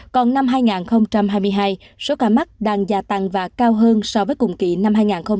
còn năm hai nghìn hai mươi hai số ca mắc đang gia tăng và cao hơn so với cùng kỳ năm hai nghìn hai mươi hai nghìn hai mươi một